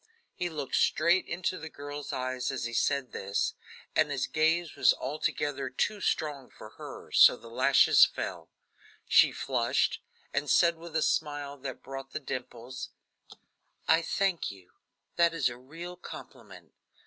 '" He looked straight into the girl's eyes as he said this, and his gaze was altogether too strong for her, so the lashes fell. She flushed and said with a smile that brought the dimples: "I thank you; that is a real compliment."